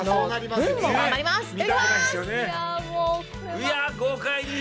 いや豪快に。